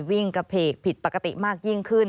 วิ่งกระเพกผิดปกติมากยิ่งขึ้น